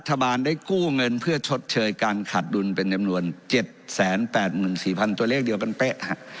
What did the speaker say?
รัฐบาลได้กู้เงินเพื่อชดเชยการขาดดุลเป็นจำนวน๗๘๔๐๐ตัวเลขเดียวกันเป๊ะ